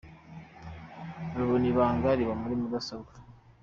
Rubona ibanga riba muri mudasobwa.